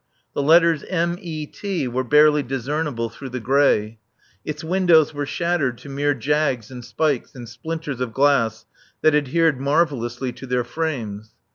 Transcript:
The letters M. E. T. were barely discernible through the grey. Its windows were shattered to mere jags and spikes and splinters of glass that adhered marvellously to their frames.